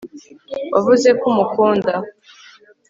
wavuze ko umukunda